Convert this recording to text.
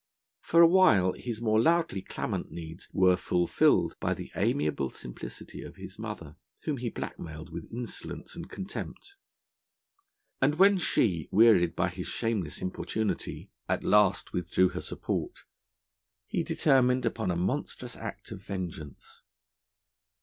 For a while his more loudly clamant needs were fulfilled by the amiable simplicity of his mother, whom he blackmailed with insolence and contempt. And when she, wearied by his shameless importunity, at last withdrew her support, he determined upon a monstrous act of vengeance.